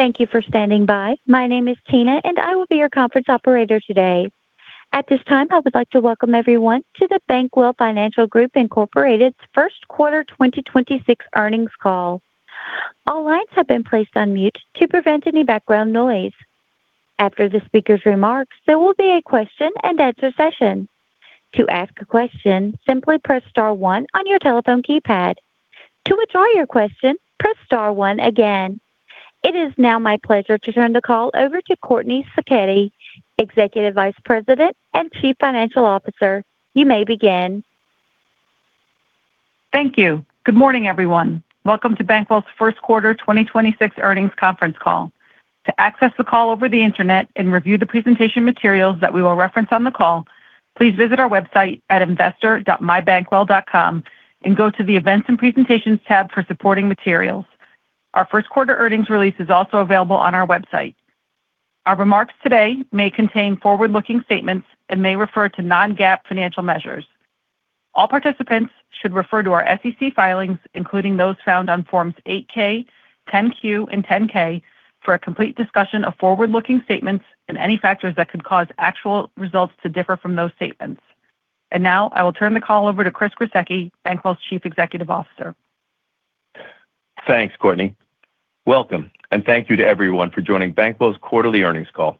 Thank you for standing by. My name is Tina, and I will be your conference operator today. At this time, I would like to welcome everyone to the Bankwell Financial Group, Inc.'s first quarter 2026 earnings call. All lines have been placed on mute to prevent any background noise. After the speaker's remarks, there will be a question and answer session. To ask a question, simply press star one on your telephone keypad. To withdraw your question, press star one again. It is now my pleasure to turn the call over to Courtney Sacchetti, Executive Vice President and Chief Financial Officer. You may begin. Thank you. Good morning, everyone. Welcome to Bankwell's first quarter 2026 earnings conference call. To access the call over the internet and review the presentation materials that we will reference on the call, please visit our website at investor.bankwellfinancialgroup.com and go to the Events and Presentations tab for supporting materials. Our first quarter earnings release is also available on our website. Our remarks today may contain forward-looking statements and may refer to non-GAAP financial measures. All participants should refer to our SEC filings, including those found on Forms 8-K, 10-Q, and 10-K, for a complete discussion of forward-looking statements and any factors that could cause actual results to differ from those statements. Now I will turn the call over to Chris Gruseke, Bankwell's Chief Executive Officer. Thanks, Courtney. Welcome, and thank you to everyone for joining Bankwell's quarterly earnings call.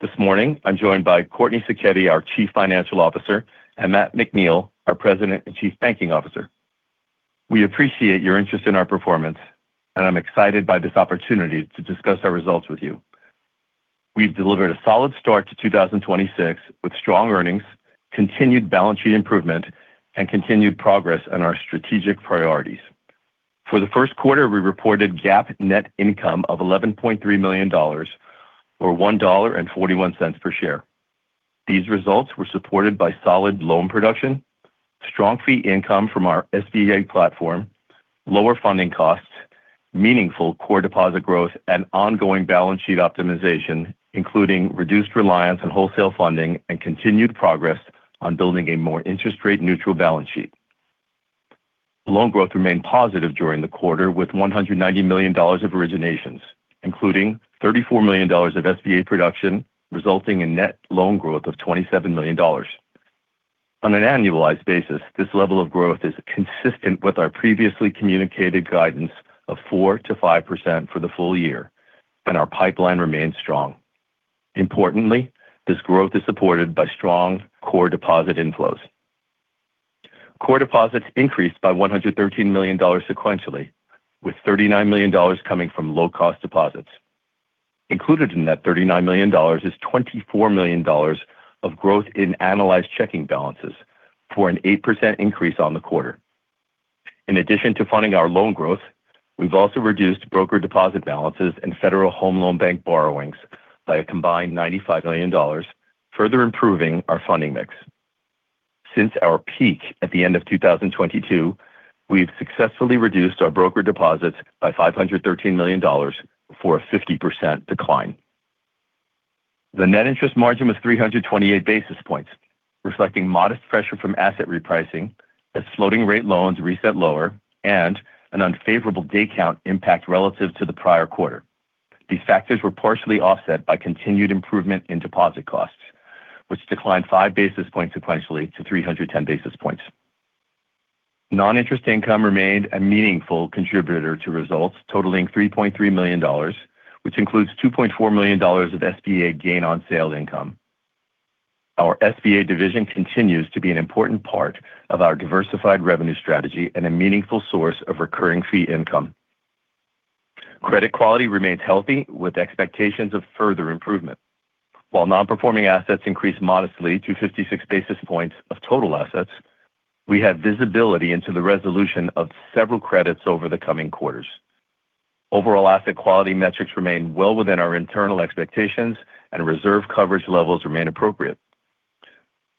This morning, I'm joined by Courtney Sacchetti, our Chief Financial Officer, and Matt McNeill, our President and Chief Banking Officer. We appreciate your interest in our performance, and I'm excited by this opportunity to discuss our results with you. We've delivered a solid start to 2026 with strong earnings, continued balance sheet improvement, and continued progress on our strategic priorities. For the first quarter, we reported GAAP net income of $11.3 million, or $1.41 per share. These results were supported by solid loan production, strong fee income from our SBA platform, lower funding costs, meaningful core deposit growth, and ongoing balance sheet optimization, including reduced reliance on wholesale funding and continued progress on building a more interest rate neutral balance sheet. Loan growth remained positive during the quarter with $190 million of originations, including $34 million of SBA production, resulting in net loan growth of $27 million. On an annualized basis, this level of growth is consistent with our previously communicated guidance of 4%-5% for the full year, and our pipeline remains strong. Importantly, this growth is supported by strong core deposit inflows. Core deposits increased by $113 million sequentially, with $39 million coming from low-cost deposits. Included in that $39 million is $24 million of growth in analyzed checking balances for an 8% increase on the quarter. In addition to funding our loan growth, we've also reduced broker deposit balances and Federal Home Loan Banks borrowings by a combined $95 million, further improving our funding mix. Since our peak at the end of 2022, we've successfully reduced our broker deposits by $513 million for a 50% decline. The net interest margin was 328 basis points, reflecting modest pressure from asset repricing as floating rate loans reset lower and an unfavorable day count impact relative to the prior quarter. These factors were partially offset by continued improvement in deposit costs, which declined 5 basis points sequentially to 310 basis points. Non-interest income remained a meaningful contributor to results totaling $3.3 million, which includes $2.4 million of SBA gain on sale income. Our SBA division continues to be an important part of our diversified revenue strategy and a meaningful source of recurring fee income. Credit quality remains healthy, with expectations of further improvement. While non-performing assets increased modestly to 56 basis points of total assets, we have visibility into the resolution of several credits over the coming quarters. Overall asset quality metrics remain well within our internal expectations, and reserve coverage levels remain appropriate.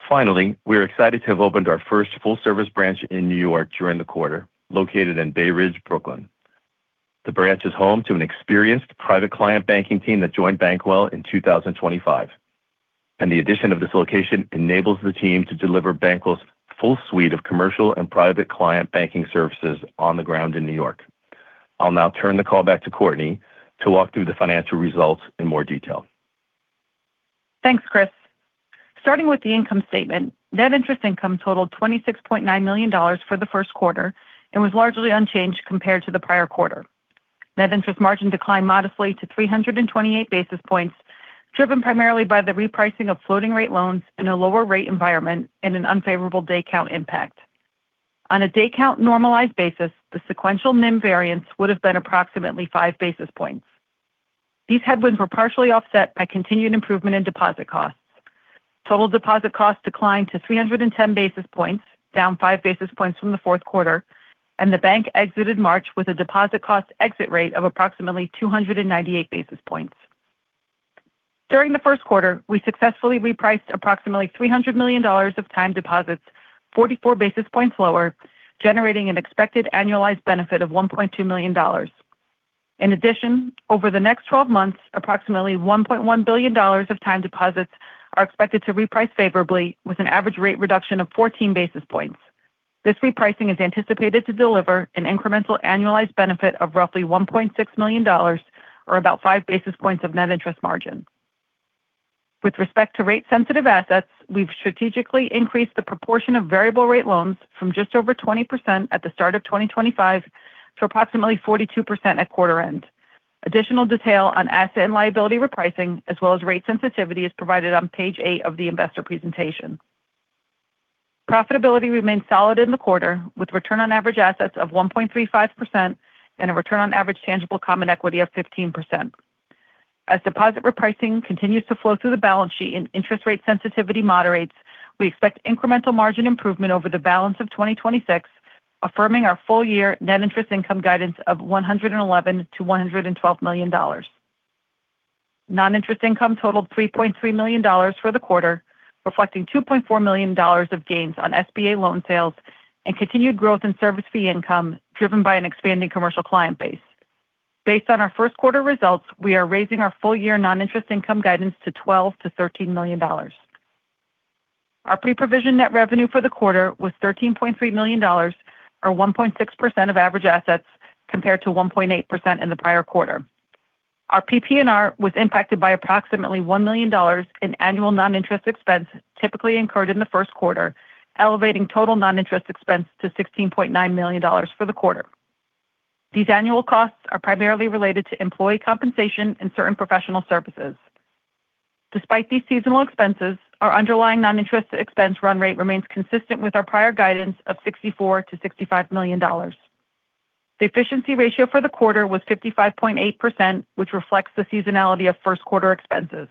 Finally, we are excited to have opened our first full-service branch in New York during the quarter, located in Bay Ridge, Brooklyn. The branch is home to an experienced private client banking team that joined Bankwell in 2025, and the addition of this location enables the team to deliver Bankwell's full suite of commercial and private client banking services on the ground in New York. I'll now turn the call back to Courtney to walk through the financial results in more detail. Thanks, Chris. Starting with the income statement, net interest income totaled $26.9 million for the first quarter and was largely unchanged compared to the prior quarter. Net interest margin declined modestly to 328 basis points, driven primarily by the repricing of floating rate loans in a lower rate environment and an unfavorable day count impact. On a day count normalized basis, the sequential NIM variance would have been approximately 5 basis points. These headwinds were partially offset by continued improvement in deposit costs. Total deposit costs declined to 310 basis points, down 5 basis points from the fourth quarter, and the bank exited March with a deposit cost exit rate of approximately 298 basis points. During the first quarter, we successfully repriced approximately $300 million of time deposits 44 basis points lower, generating an expected annualized benefit of $1.2 million. In addition, over the next 12 months, approximately $1.1 billion of time deposits are expected to reprice favorably with an average rate reduction of 14 basis points. This repricing is anticipated to deliver an incremental annualized benefit of roughly $1.6 million or about 5 basis points of net interest margin. With respect to rate-sensitive assets, we've strategically increased the proportion of variable rate loans from just over 20% at the start of 2025 to approximately 42% at quarter end. Additional detail on asset and liability repricing as well as rate sensitivity is provided on page eight of the investor presentation. Profitability remained solid in the quarter with return on average assets of 1.35% and a return on average tangible common equity of 15%. As deposit repricing continues to flow through the balance sheet and interest rate sensitivity moderates, we expect incremental margin improvement over the balance of 2026, affirming our full year net interest income guidance of $111 million-$112 million. Non-interest income totaled $3.3 million for the quarter, reflecting $2.4 million of gains on SBA loan sales and continued growth in service fee income driven by an expanding commercial client base. Based on our first quarter results, we are raising our full-year non-interest income guidance to $12 million-$13 million. Our pre-provision net revenue for the quarter was $13.3 million or 1.6% of average assets, compared to 1.8% in the prior quarter. Our PPNR was impacted by approximately $1 million in annual non-interest expense typically incurred in the first quarter, elevating total non-interest expense to $16.9 million for the quarter. These annual costs are primarily related to employee compensation and certain professional services. Despite these seasonal expenses, our underlying non-interest expense run rate remains consistent with our prior guidance of $64 million-$65 million. The efficiency ratio for the quarter was 55.8%, which reflects the seasonality of first quarter expenses.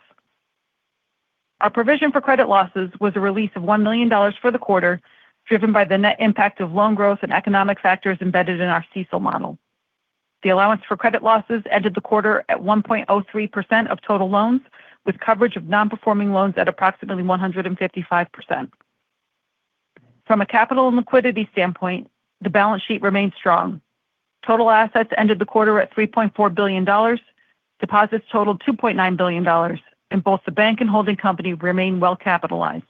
Our provision for credit losses was a release of $1 million for the quarter, driven by the net impact of loan growth and economic factors embedded in our CECL model. The allowance for credit losses ended the quarter at 1.03% of total loans, with coverage of non-performing loans at approximately 155%. From a capital and liquidity standpoint, the balance sheet remains strong. Total assets ended the quarter at $3.4 billion. Deposits totaled $2.9 billion, and both the bank and holding company remain well capitalized.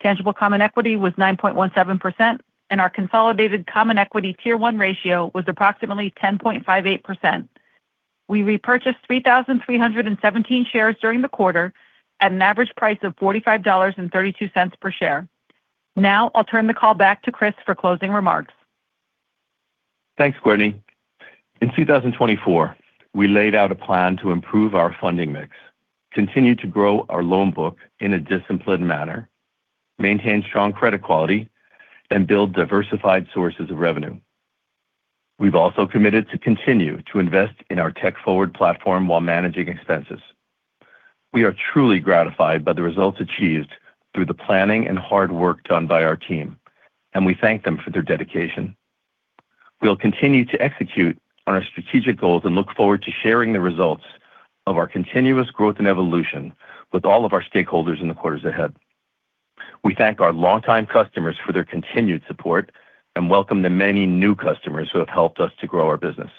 Tangible common equity was 9.17%, and our consolidated Common Equity Tier 1 ratio was approximately 10.58%. We repurchased 3,317 shares during the quarter at an average price of $45.32 per share. Now, I'll turn the call back to Chris for closing remarks. Thanks, Courtney. In 2024, we laid out a plan to improve our funding mix, continue to grow our loan book in a disciplined manner, maintain strong credit quality, and build diversified sources of revenue. We've also committed to continue to invest in our tech-forward platform while managing expenses. We are truly gratified by the results achieved through the planning and hard work done by our team, and we thank them for their dedication. We'll continue to execute on our strategic goals and look forward to sharing the results of our continuous growth and evolution with all of our stakeholders in the quarters ahead. We thank our longtime customers for their continued support and welcome the many new customers who have helped us to grow our business.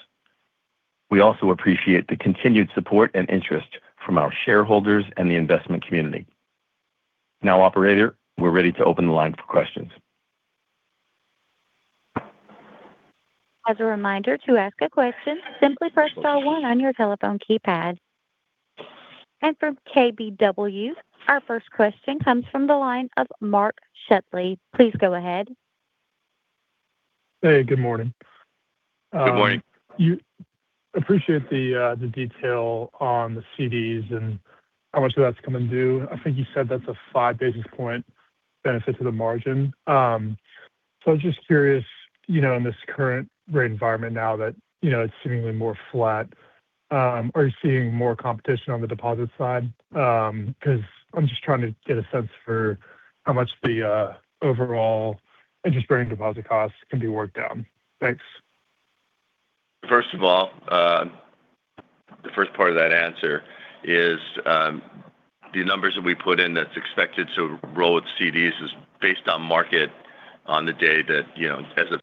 We also appreciate the continued support and interest from our shareholders and the investment community. Now, operator, we're ready to open the line for questions. As a reminder, to ask a question, simply press star one on your telephone keypad. From KBW, our first question comes from the line of Mark Shetley. Please go ahead. Hey, good morning. Good morning. Appreciate the detail on the CDs and how much of that's come and due. I think you said that's a 5 basis point benefit to the margin. I'm just curious, in this current rate environment now that it's seemingly more flat, are you seeing more competition on the deposit side? Because I'm just trying to get a sense for how much the overall interest-bearing deposit costs can be worked out. Thanks. First of all, the first part of that answer is the numbers that we put in that's expected to roll with CDs is based on market on the day that as of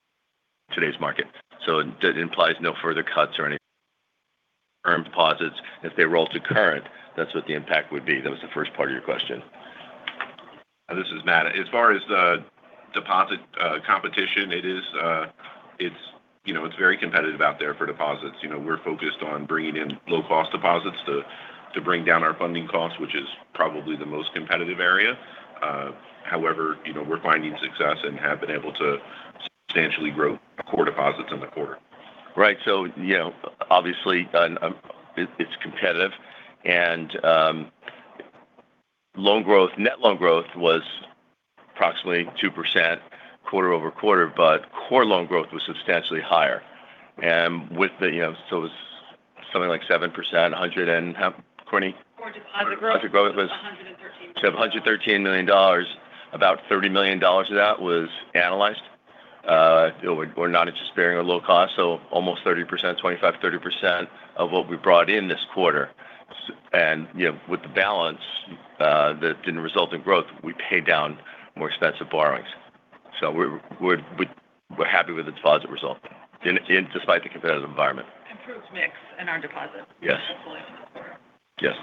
today's market. It implies no further cuts or any term deposits. If they roll to current, that's what the impact would be. That was the first part of your question. This is Matt. As far as the deposit competition, it's very competitive out there for deposits. We're focused on bringing in low-cost deposits to bring down our funding costs, which is probably the most competitive area. However, we're finding success and have been able to substantially grow core deposits in the quarter. Right. Obviously it's competitive and net loan growth was approximately 2% quarter-over-quarter, but core loan growth was substantially higher. It was something like 7%, and how, Courtney? Core deposit growth. Deposit growth was. $113 million. $113 million. About $30 million of that was non-interest-bearing or low cost, so almost 30%, 25%-30% of what we brought in this quarter. With the balance that didn't result in growth, we paid down more expensive borrowings. We're happy with the deposit result despite the competitive environment. Improved mix in our deposit. Yes. Hopefully for the quarter. Yes.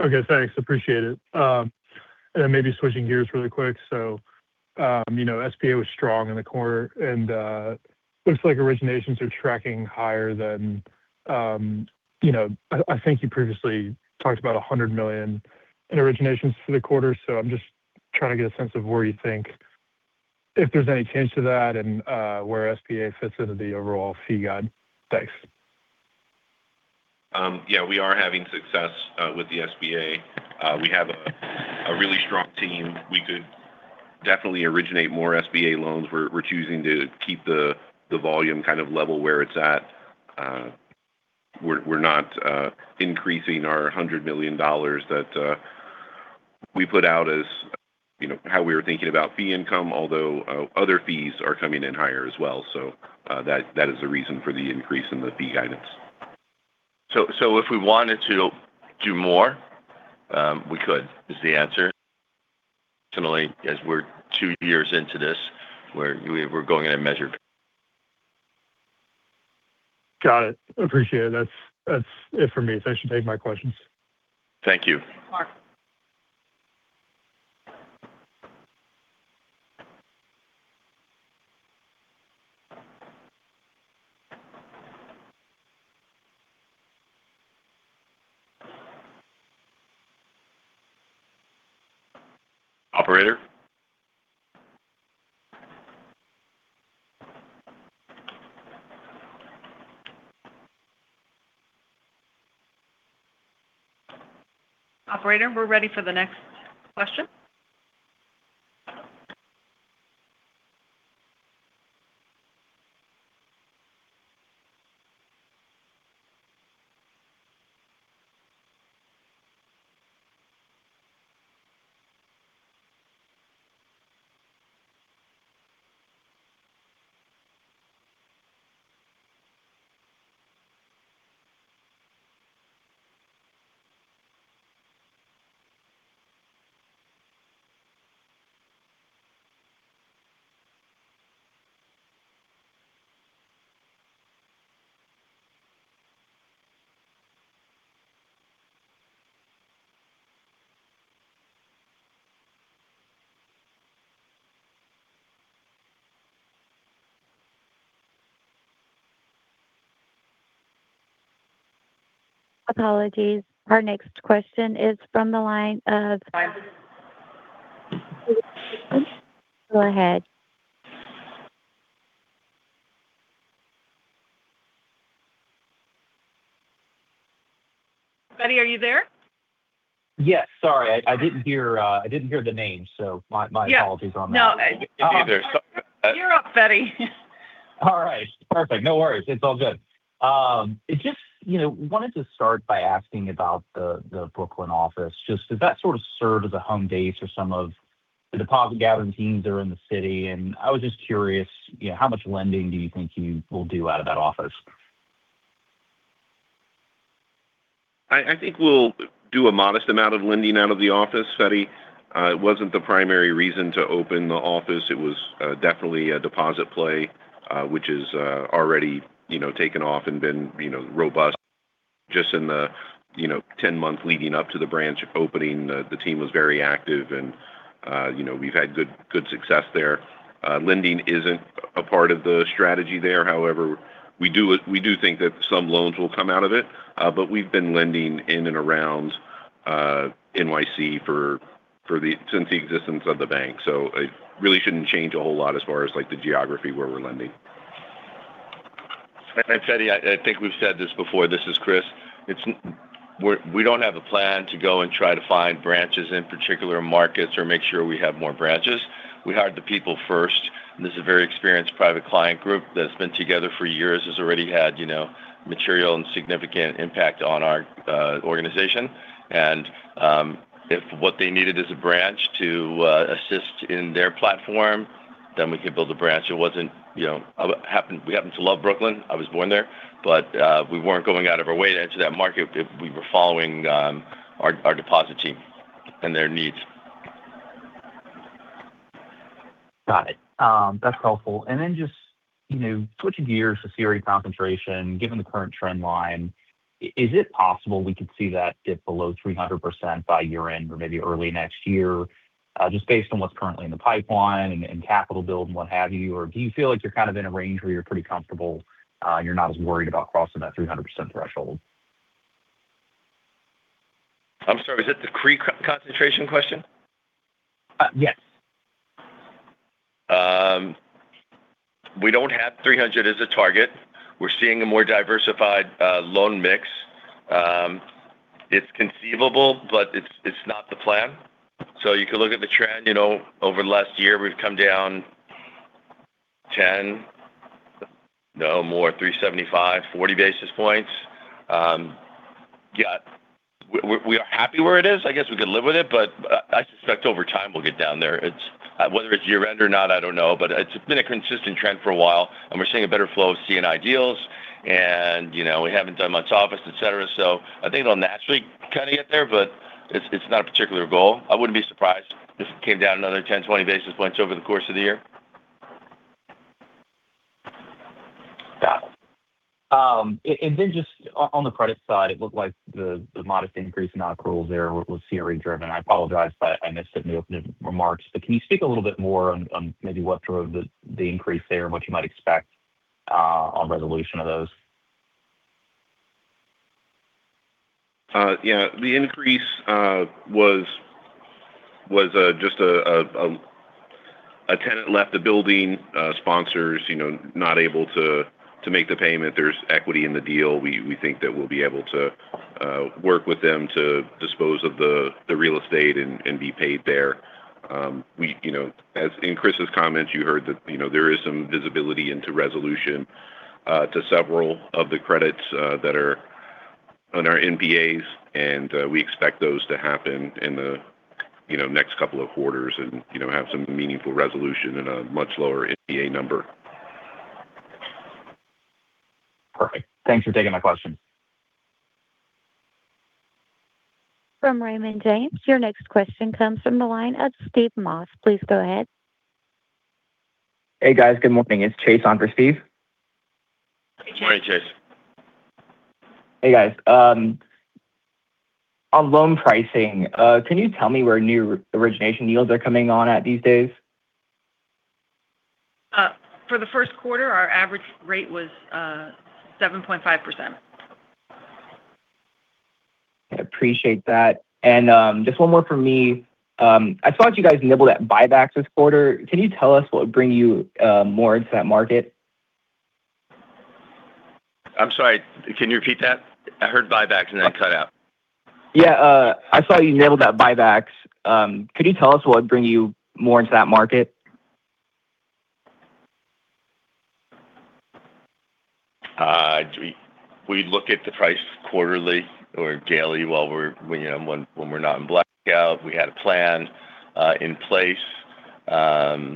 Okay, thanks. Appreciate it. Maybe switching gears really quick. SBA was strong in the quarter, and looks like originations are tracking higher than, I think you previously talked about $100 million in originations for the quarter. I'm just trying to get a sense of where you think, if there's any change to that and where SBA fits into the overall fee guide. Thanks. Yeah, we are having success with the SBA. We have a really strong team. We could definitely originate more SBA loans. We're choosing to keep the volume kind of level where it's at. We're not increasing our $100 million that we put out as how we were thinking about fee income, although other fees are coming in higher as well. That is the reason for the increase in the fee guidance. If we wanted to do more, we could, is the answer. Similarly, as we're two years into this, we're going in measured. Got it. Appreciate it. That's it for me. Thanks for taking my questions. Thank you. Mark. Operator. Operator, we're ready for the next question. Apologies. Our next question is from the line of. Go ahead. Feddie, are you there? Yes. Sorry, I didn't hear the name, so my apologies on that. No. Me either. Sorry. You're up, Feddie. All right, perfect. No worries. It's all good. I wanted to start by asking about the Brooklyn office. Does that sort of serve as a home base for some of the deposit gathering teams that are in the city? I was just curious, how much lending do you think you will do out of that office? I think we'll do a modest amount of lending out of the office, Feddie. It wasn't the primary reason to open the office. It was definitely a deposit play, which is already taken off and been robust just in the 10 months leading up to the branch opening. The team was very active and we've had good success there. Lending isn't a part of the strategy there. However, we do think that some loans will come out of it. But we've been lending in and around NYC since the existence of the bank, so it really shouldn't change a whole lot as far as the geography where we're lending. Feddie, I think we've said this before. This is Chris. We don't have a plan to go and try to find branches in particular markets or make sure we have more branches. We hired the people first. This is a very experienced private client group that's been together for years, has already had material and significant impact on our organization. If what they needed is a branch to assist in their platform, then we could build a branch. We happen to love Brooklyn. I was born there. We weren't going out of our way to enter that market. We were following our deposit team and their needs. Got it. That's helpful. Just switching gears to CRE concentration, given the current trend line, is it possible we could see that dip below 300% by year-end or maybe early next year, just based on what's currently in the pipeline and capital build and what have you? Or do you feel like you're kind of in a range where you're pretty comfortable, you're not as worried about crossing that 300% threshold? I'm sorry, is that the CRE concentration question? Yes. We don't have 300 as a target. We're seeing a more diversified loan mix. It's conceivable, but it's not the plan. You could look at the trend. Over the last year, we've come down 10, no more, 3.75-4.0 basis points. We are happy where it is. I guess we could live with it, but I suspect over time we'll get down there. Whether it's year-end or not, I don't know, but it's been a consistent trend for a while, and we're seeing a better flow of C&I deals, and we haven't done much office, et cetera. I think it'll naturally kind of get there, but it's not a particular goal. I wouldn't be surprised if it came down another 10-20 basis points over the course of the year. Just on the credit side, it looked like the modest increase in non-accruals there was CRE driven. I apologize if I missed it in the opening remarks. Can you speak a little bit more on maybe what drove the increase there and what you might expect on resolution of those? Yeah. The increase was just a tenant left the building, sponsors not able to make the payment. There's equity in the deal. We think that we'll be able to work with them to dispose of the real estate and be paid there. In Chris's comments, you heard that there is some visibility into resolution to several of the credits that are on our NPAs, and we expect those to happen in the next couple of quarters and have some meaningful resolution and a much lower NPA number. Perfect. Thanks for taking my question. From Raymond James, your next question comes from the line of Steve Moss. Please go ahead. Hey, guys. Good morning. It's Chase on for Steve. Good morning, Chase. Hey, guys. On loan pricing, can you tell me where new origination yields are coming on at these days? For the first quarter, our average rate was 7.5%. I appreciate that. Just one more from me. I saw that you guys nibbled at buybacks this quarter. Can you tell us what would bring you more into that market? I'm sorry, can you repeat that? I heard buybacks and then it cut out. Yeah. I saw you nibbled at buybacks. Could you tell us what would bring you more into that market? We look at the price quarterly or daily when we're not in blackout. We had a plan in place. I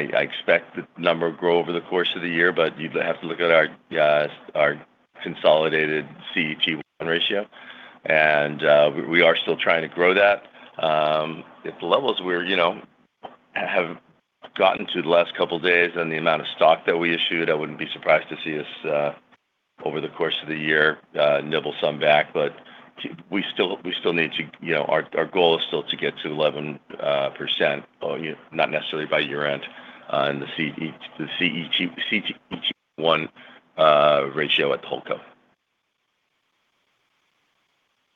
expect the number to grow over the course of the year. You'd have to look at our consolidated CET1 ratio. We are still trying to grow that. At the levels we have gotten to the last couple of days and the amount of stock that we issued, I wouldn't be surprised to see us, over the course of the year, nibble some back. Our goal is still to get to 11%, not necessarily by year-end, on the CET1 ratio at the holdco.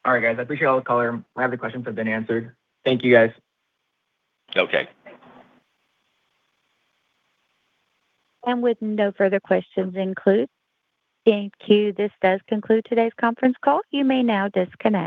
All right, guys. I appreciate all the color. The questions that have been answered. Thank you, guys. Okay. With no further questions in queue, thank you. This does conclude today's conference call. You may now disconnect.